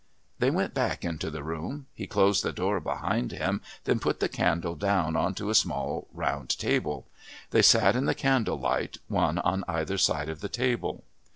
They went back into the room. He closed the door behind him, then put the candle down on to a small round table; they sat in the candle light, one on either side of the table.